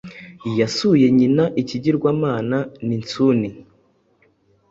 yasuye nyinaikigirwamana Ninsuni